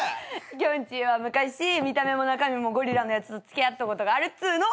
きょんちぃは昔見た目も中身もゴリラのやつと付き合ったことがあるっつうの！